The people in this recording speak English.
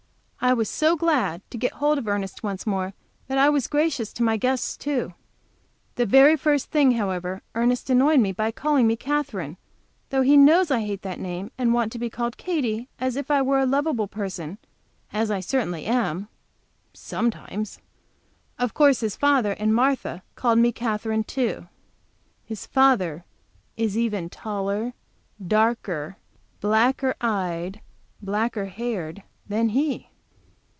I was so glad to get hold of Ernest once more that I was gracious to my guests, too. The very first thing, however, Ernest annoyed me by calling me Katherine, though he knows I hate that name, and want to be called Katy as if I were a lovable person, as I certainly am (sometimes). Of course his father and Martha called me Katherine, too. His father is even taller, darker, blacker eyed, blacker haired than he.